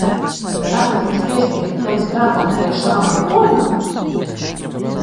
Tātad viņš piespieda tevi strādāt priekš sava mantojuma?